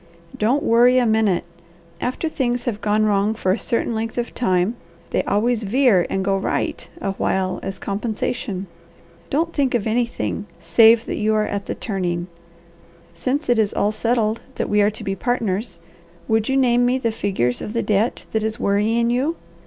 Don't worry a minute. After things have gone wrong for a certain length of time, they always veer and go right a while as compensation. Don't think of anything save that you are at the turning. Since it is all settled that we are to be partners, would you name me the figures of the debt that is worrying you?